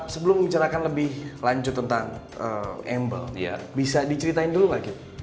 sebelum membicarakan lebih lanjut tentang emble bisa diceritain dulu nggak